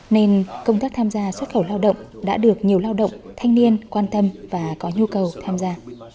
nên công tác tham gia xuất khẩu lao động đã được nhiều lao động thanh niên quan tâm và có nhu cầu tham gia